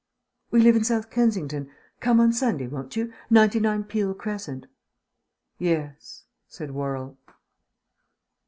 "We live in South Kensington. Come on Sunday, won't you? 99 Peele Crescent." "Yes," said Worrall.